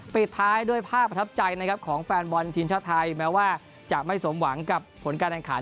ปิดท้ายด้วยภาพประทับใจนะครับของแฟนบอลทีมชาติไทยแม้ว่าจะไม่สมหวังกับผลการแข่งขัน